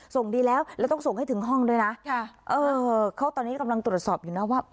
ส่งดีแล้วแล้วต้องส่งให้ถึงห้องด้วยนะค่ะเออเขาตอนนี้กำลังตรวจสอบอยู่นะว่า